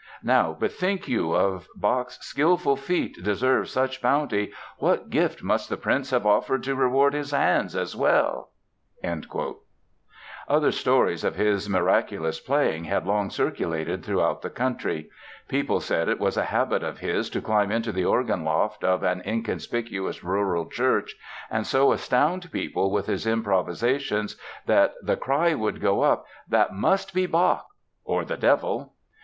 Now bethink you, if Bach's skilful feet deserved such bounty what gift must the prince have offered to reward his hands as well?" Other stories of his miraculous playing had long circulated throughout the country. People said it was a habit of his to climb into the organ loft of an inconspicuous rural church and so astound people with his improvisations that the cry would go up: "That must be Bach or the Devil!"